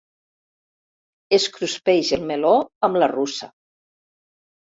Es cruspeix el meló amb la russa.